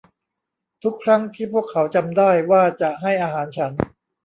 ทุกครั้งที่พวกเขาจำได้ว่าจะให้อาหารฉัน